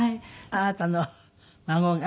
あなたの孫が。